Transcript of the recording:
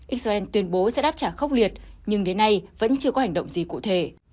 israel tuyên bố sẽ đáp trả khốc liệt nhưng đến nay vẫn chưa có hành động gì cụ thể